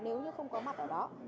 nếu như không có mặt ở đó